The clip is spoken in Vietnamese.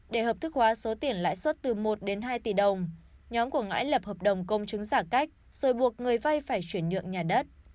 để hợp thức hóa số tiền lãi suất từ một đến hai tỷ đồng nhóm của ngãi lập hợp đồng công chứng giả cách rồi buộc người vay phải chuyển nhượng nhà đất